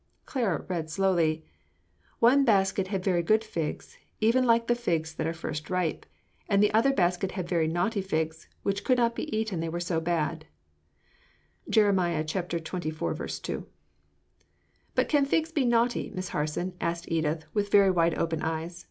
Clara read slowly: "'One basket had very good figs, even like the figs that are first ripe; and the other basket had very naughty figs, which could not be eaten, they were so bad.'" Jer. xxiv. 2. "But can figs be naughty, Miss Harson?" asked Edith, with very wide open eyes.